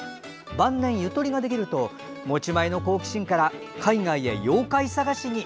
晩年、ゆとりができると持ち前の好奇心から海外へ妖怪探しに。